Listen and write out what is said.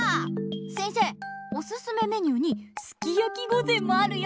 せんせいおすすめメニューにすき焼き御膳もあるよ。